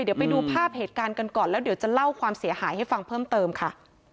เดี๋ยวไปดูภาพเหตุการณ์กันก่อนแล้วเดี๋ยวจะเล่าความเสียหายให้ฟังเพิ่มเติมค่ะ